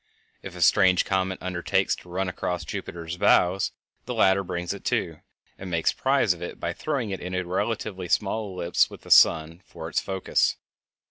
If a strange comet undertakes to run across Jupiter's bows the latter brings it to, and makes prize of it by throwing it into a relatively small ellipse with the sun for its focus.